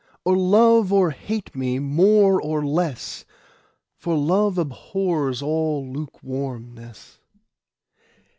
Or love or hate me more or less, 5 For love abhors all lukewarmness.